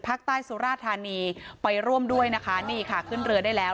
สุราธานีไปร่วมด้วยนะคะนี่ค่ะขึ้นเรือได้แล้ว